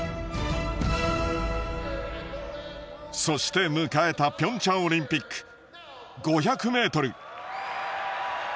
そして迎えたピョンチャンオリンピック５００ｍ。